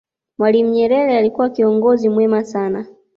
mwalimu nyerere alikuwa kiongozi mwema sana